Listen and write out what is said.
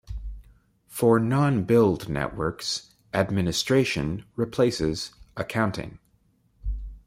For non-billed networks, "administration" replaces "accounting".